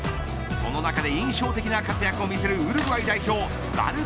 その中で印象的な活躍を見せるウルグアイ代表ヴァル